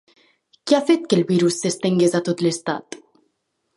Què ha fet que el virus s'estengués a tot l'estat?